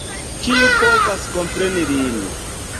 Kiu povas kompreni lin!